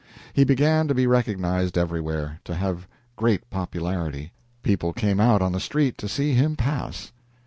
He began to be recognized everywhere to have great popularity. People came out on the street to see him pass.